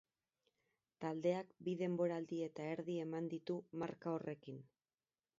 Taldeak bi denboraldi eta erdi eman ditu marka horrekin.